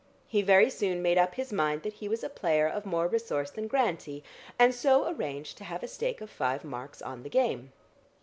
He very soon made up his mind that he was a player of more resource than Grantie, and so arranged to have a stake of five marks on the game.